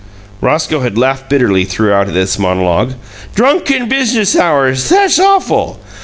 Roscoe had laughed bitterly throughout this monologue. "Drunk in business hours! Thass awf'l!